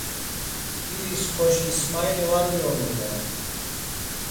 İris xoşi İsmaili var uyonuran.